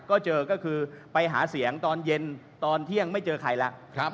ก็เจอก็คือไปหาเสียงตอนเย็นตอนเที่ยงไม่เจอใครแล้ว